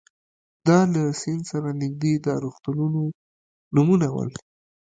دا له سیند سره نږدې د روغتونونو نومونه ول.